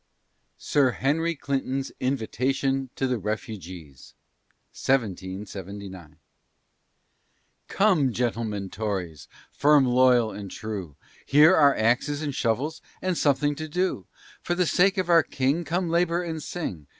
SIR HENRY CLINTON'S INVITATION TO THE REFUGEES Come, gentlemen Tories, firm, loyal, and true, Here are axes and shovels, and something to do! For the sake of our King, Come labor and sing.